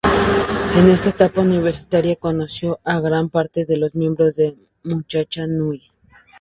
En esa etapa universitaria conoció a gran parte de los miembros de "Muchachada Nui".